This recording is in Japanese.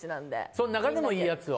その中でもいいやつを。